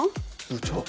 部長。